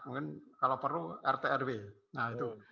mungkin kalau perlu rt rw nah itu